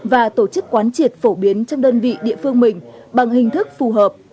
và tổ chức quán triệt phổ biến trong đơn vị địa phương mình bằng hình thức phù hợp